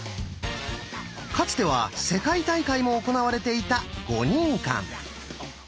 かつては世界大会も行われていた「ゴニンカン」。